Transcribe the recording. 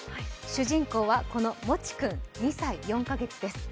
主人公は、このもち君２歳４か月です。